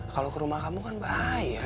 kalau ke rumah kamu kan bahaya